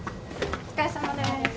お疲れさまです。